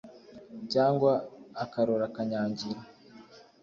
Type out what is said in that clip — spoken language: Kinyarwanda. Cyangwa akarora Kanyangira